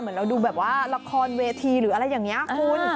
เราดูแบบว่าละครเวทีหรืออะไรอย่างนี้คุณ